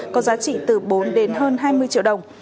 có giá trị từ bốn đến hơn hai mươi triệu đồng